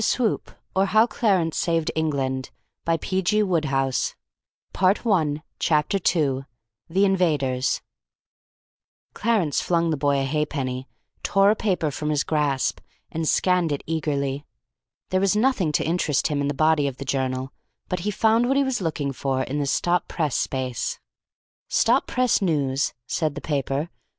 It ran as follows: SURREY DOING BADLY GERMAN ARMY LANDS IN ENGLAND Chapter 2 THE INVADERS Clarence flung the boy a halfpenny, tore a paper from his grasp, and scanned it eagerly. There was nothing to interest him in the body of the journal, but he found what he was looking for in the stop press space. "Stop press news," said the paper.